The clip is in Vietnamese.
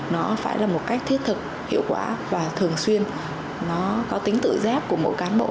nó phải là một cách thiết thực hiệu quả và thường xuyên nó có tính tự giác của mỗi cán bộ